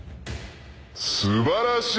素晴らしい！